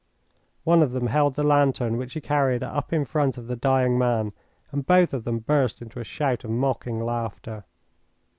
One of them held the lantern which he carried up in front of the dying man, and both of them burst into a shout of mocking laughter.